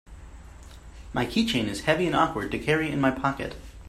My keychain is heavy and awkward to carry in my pocket.